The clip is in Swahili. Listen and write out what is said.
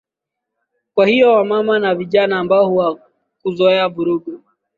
kwa hiyo wamama wa vijana ambao hawakuzoea vurugu